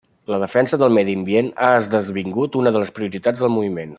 La defensa del medi ambient ha esdevingut una de les prioritats del moviment.